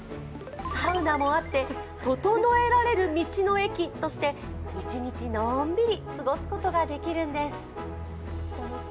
サウナもあって、ととのえられる道の駅として一日のんびり過ごすことができるんです。